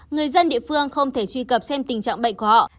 người dân địa phương không thể truy cập xem tình trạng bệnh của họ